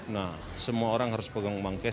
nah semua orang harus pegang uang cash